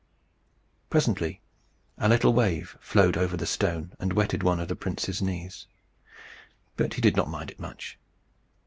Presently a little wave flowed over the stone, and wetted one of the prince's knees. But he did not mind it much.